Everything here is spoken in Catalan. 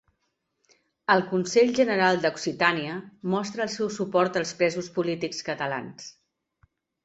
El Consell General d'Occitània mostra el seu suport als presos polítics catalans